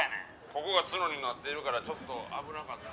「ここが角になっているからちょっと危なかった」